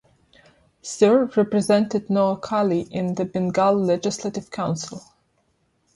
Sur represented Noakhali in the Bengal Legislative Council.